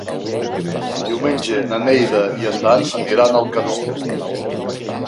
Diumenge na Neida i en Dan aniran a Alcanó.